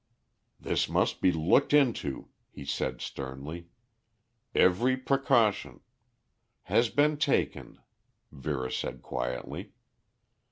"This must be looked into," he said sternly. "Every precaution " "Has been taken," Vera said quietly.